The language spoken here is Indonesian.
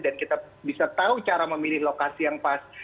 dan kita bisa tahu cara memilih lokasi yang pas